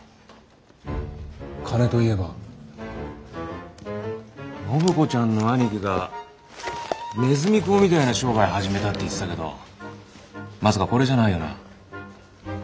金といえば暢子ちゃんの兄貴がねずみ講みたいな商売始めたって言ってたけどまさかこれじゃないよな？